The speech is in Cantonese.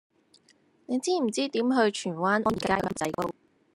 你知唔知點去荃灣安賢街嗰間缽仔糕